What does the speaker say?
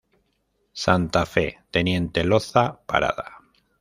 Santa Fe; Teniente Loza; Parada.